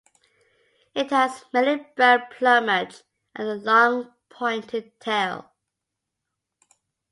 It has mainly brown plumage and a long pointed tail.